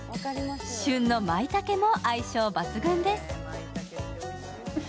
旬のまいたけも相性抜群です。